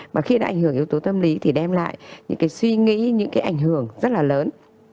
mà khi nó ảnh hưởng yếu tố tâm lý thì đem lại những suy nghĩ những ảnh hưởng rất là lớn